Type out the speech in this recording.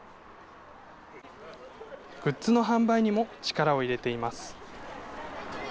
グッズの販売にも力を入れています。